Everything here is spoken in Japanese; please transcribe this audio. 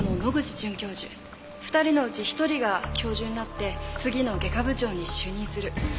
２人のうち１人が教授になって次の外科部長に就任する。